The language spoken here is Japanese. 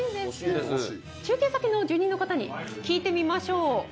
中継先の住人の方に聞いてみましょう。